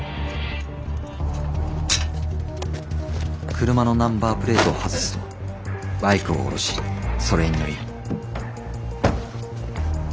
車のナンバープレートを外すとバイクを降ろしそれに乗り。